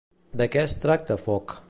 De què es tracta Fog?